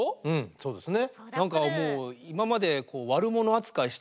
そうですね。